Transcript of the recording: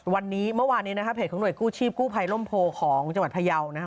วันนี้เมื่อวานนี้นะครับเพจของห่วยกู้ชีพกู้ภัยร่มโพของจังหวัดพยาวนะฮะ